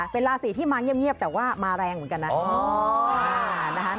เป็นราศีที่มาเงียบแต่ว่ามาแรงเหมือนกันนะ